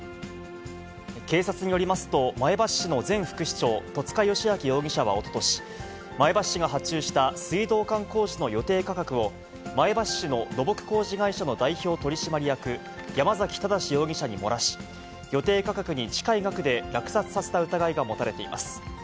警察によりますと、前橋市の前副市長、戸塚良明容疑者はおととし、前橋市が発注した水道管工事の予定価格を、前橋市の土木工事会社の代表取締役、山崎正容疑者に漏らし、予定価格に近い額で落札させた疑いが持たれています。